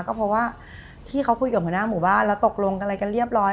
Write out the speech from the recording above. ก็เพราะว่าที่เขาคุยกับหัวหน้าหมู่บ้านแล้วตกลงอะไรกันเรียบร้อย